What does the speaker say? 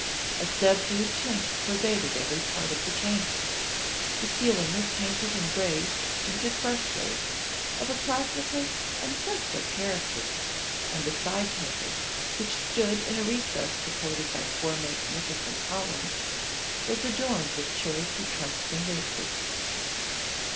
A subdued tint pervaded every part of the chamber: the ceiling was painted in grey tinted frescoes of a classical and festive character, and the side table, which stood in a recess supported by four magnificent columns, was adorned with choice Etruscan vases.